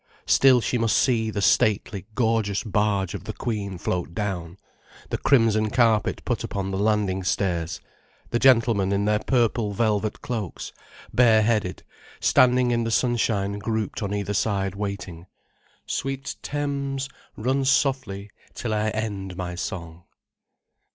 Still she must see the stately, gorgeous barge of the Queen float down, the crimson carpet put upon the landing stairs, the gentlemen in their purple velvet cloaks, bare headed, standing in the sunshine grouped on either side waiting. "Sweet Thames, run softly till I end my song."